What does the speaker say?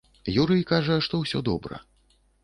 Юрый кажа, што ўсё добра.